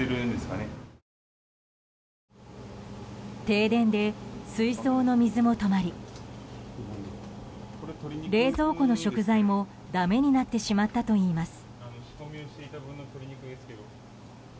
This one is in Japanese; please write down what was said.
停電で水槽の水も止まり冷蔵庫の食材も、だめになってしまったといいます。